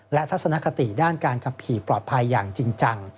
และทัศนคติด้านการขับขี่ปลอดภัยอย่างจริงจัง